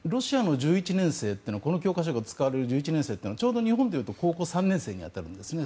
この教科書が使われる１１年生というのはちょうど日本でいうと高校３年生に当たるんですね。